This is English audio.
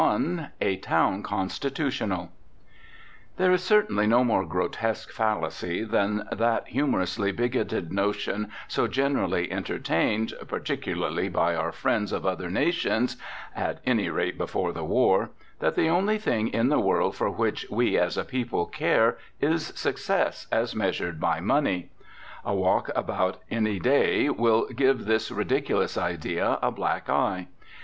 XXI A TOWN CONSTITUTIONAL There is certainly no more grotesque fallacy than that humorously bigoted notion so generally entertained, particularly by our friends of other nations (at any rate, before the war), that the only thing in the world for which we as a people care is success as measured by money. A walk about any day will give this ridiculous idea a black eye.